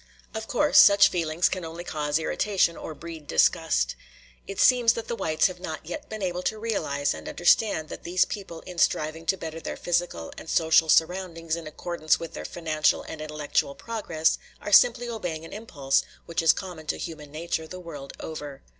Of course, such feelings can only cause irritation or breed disgust. It seems that the whites have not yet been able to realize and understand that these people in striving to better their physical and social surroundings in accordance with their financial and intellectual progress are simply obeying an impulse which is common to human nature the world over.